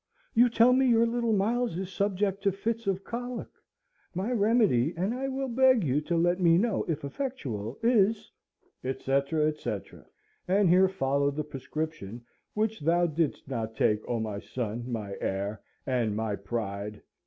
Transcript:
You tell me your little Miles is subject to fits of cholic. My remedy, and I will beg you to let me know if effectual, is," etc. etc. and here followed the prescription, which thou didst not take, O my son, my heir, and my pride!